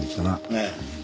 ええ。